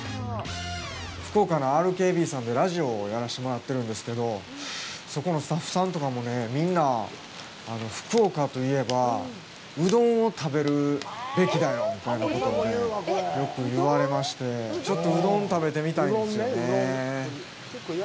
福岡のＲＫＢさんでラジオをやらせてもらっているんですけどそこのスタッフさんとかもみんな福岡といえばうどんを食べるべきだよみたいなことをよく言われましてちょっとうどん食べてみたいんですよね。